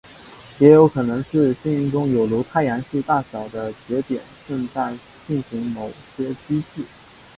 也有可能是星云中有如太阳系大小的节点正在进行某些机制。